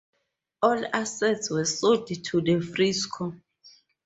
All assets were sold to the Frisco.